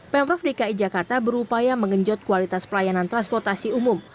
pemprov dki jakarta berupaya mengenjot kualitas pelayanan transportasi umum